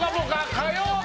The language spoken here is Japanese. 火曜日。